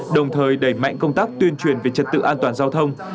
đồng thời đẩy mạnh công tác tuyên truyền về trật tự an toàn giao thông